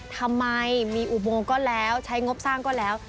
ทำไมมีอุโมงก็แล้วใช้งบสร้างก็แล้ว